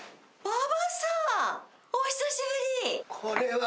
お久しぶり。